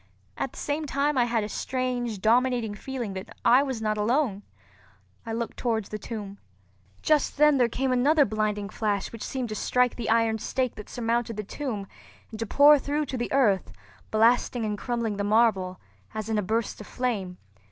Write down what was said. At the same time I had a strange, dominating feeling that I was not alone. I looked towards the tomb. Just then there came another blinding flash which seemed to strike the iron stake that surmounted the tomb and to pour through to the earth, blasting and crumbling the marble, as in a burst of flame.